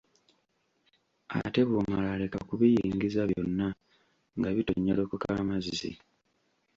Ate bw'omala leka kubiyingiza byonna nga bitonyolokoka amazzi.